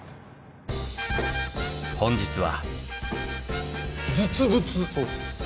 本日は。